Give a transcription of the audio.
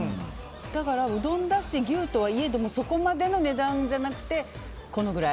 だから、うどんだし、牛とはいえそこまでの値段じゃなくてこのくらい。